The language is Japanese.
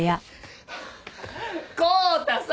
康太さん！